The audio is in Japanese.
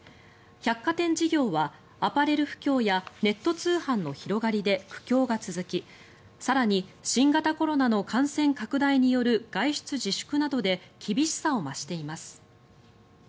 百貨店事業は、アパレル不況やネット通販の広がりで苦境が続き更に、新型コロナの感染拡大による外出自粛などで厳しさを増しています。